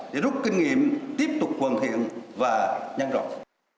để rút kinh nghiệm tiếp tục hoàn thiện và nhân rộng